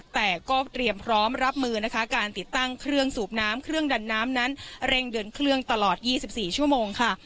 แต่ก็เตรียมพร้อมรับมือนะคะการติดตั้งเครื่องสูบน้ำเครื่องดันน้ำนั้นเร่งเดินเครื่องตลอด๒๔ชั่วโมงค่ะ